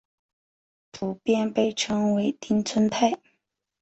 普遍被称为町村派。